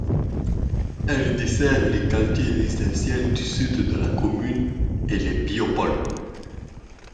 Elle dessert les quartiers résidentiels du sud de la commune et le Biopôle.